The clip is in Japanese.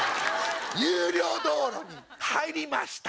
有料道路に入りました。